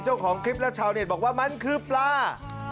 แล้วชาวเน็ตพูดว่ามันคือปลา